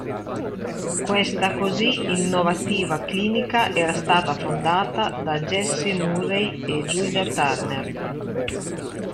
Questa così innovativa clinica era stata fondata da Jessie Murray e Julia Turner.